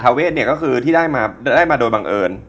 ทาเวทสวรรค์เนี่ยก็คือที่ได้มาโดยบังเอิญ